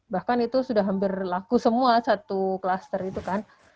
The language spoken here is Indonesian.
bahkan itu sudah hampir laku semua satu kluster itu kan